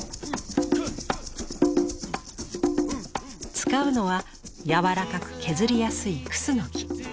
使うのはやわらかく削りやすいクスノキ。